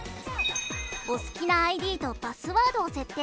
お好きなＩＤとパスワードを設定。